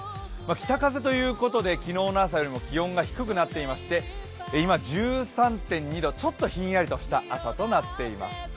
北風ということで昨日の朝よりも気温が低くなっていまして今１３．２度、ちょっとひんやりとした朝になっています。